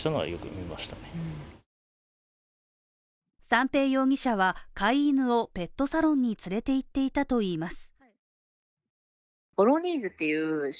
三瓶容疑者は飼い犬を、ペットサロンに連れて行っていたといいます。